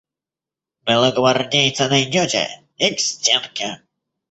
Белогвардейца найдете – и к стенке.